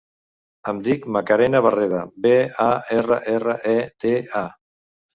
Em dic Macarena Barreda: be, a, erra, erra, e, de, a.